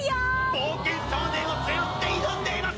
「冒険少年」を背負って挑んでいます